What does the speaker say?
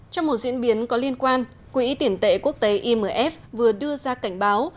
trong một diễn biến có liên quan quỹ tiền tệ quốc tế imf vừa đưa ra cảnh báo